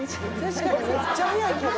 確かにむっちゃ速いけど。